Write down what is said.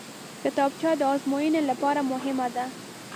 کتابچه د ازموینې لپاره مهمه ده